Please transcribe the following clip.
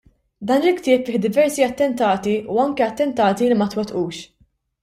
Dan il-ktieb fih diversi attentati u anke attentati li ma twettqux.